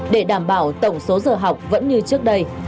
để đảm bảo tổng số giờ học vẫn như trước đây